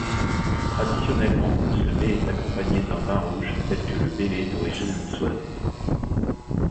Traditionnellement, ce mets est accompagné d’un vin rouge, tel que le bellet d'origine niçoise.